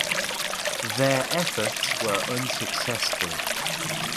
Their efforts were unsuccessful.